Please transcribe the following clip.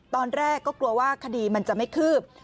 ตอนแรกก็กลัวว่าคดีมันจะไม่คืบ